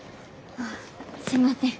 ああすいません。